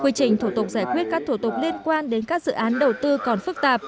quy trình thủ tục giải quyết các thủ tục liên quan đến các dự án đầu tư còn phức tạp